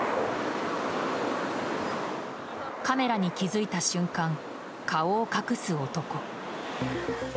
カメラに気づいた瞬間顔を隠す男。